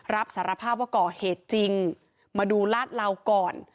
รับสารภาพว่าก่อเหตุจริงมาดูลาดเหลาก่อน